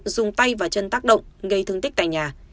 dùng tay và chân tác động gây thương tích tại nhà